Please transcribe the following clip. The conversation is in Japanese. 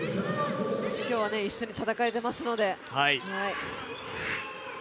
今日は一緒に戦えていますので。